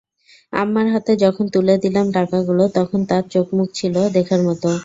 আম্মার হাতে যখন তুলে দিলাম টাকাগুলো, তখন তাঁর চোখ-মুখ ছিল দেখার মতো।